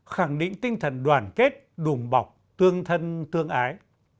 khẳng định tinh thần đoàn kết đùm bọc tương thân tương ái